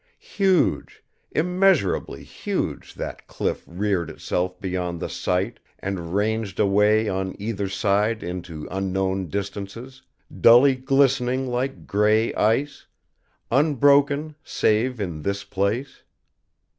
Huge, immeasurably huge that cliff reared itself beyond the sight and ranged away on either side into unknown distances, dully glistening like gray ice, unbroken save in this place.